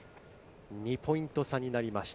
２ポイント差になりました。